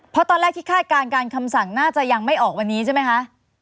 เพราะตอนแรกที่คาดการณ์การคำสั่งน่าจะยังไม่ออกวันนี้ใช่ไหมคะ